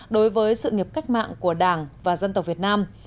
đối với sự nghiệp cách mạng của đảng và dân tộc việt nam